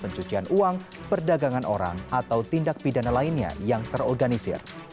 pencucian uang perdagangan orang atau tindak pidana lainnya yang terorganisir